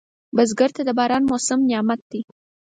بزګر ته د باران موسم نعمت دی